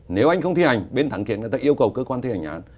nếu anh không thi hành bên thắng kiện người ta yêu cầu cơ quan thi hành án